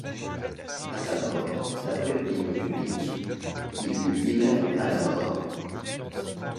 À sa mort, d'après l'opinion publique, il but lui-même à la mort.